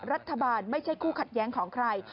ไม่ใช่คู่ขัดแย้งของใคร